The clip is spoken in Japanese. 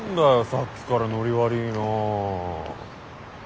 さっきからノリ悪ぃな。